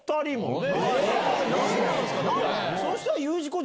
そしたら。